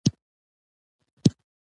څرک صاحب عکسونه واخیستل.